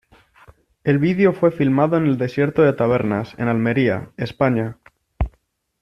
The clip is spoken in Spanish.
El video fue filmado en el desierto de Tabernas, en Almería, España.